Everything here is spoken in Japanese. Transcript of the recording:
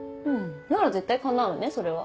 なら絶対叶うねそれは。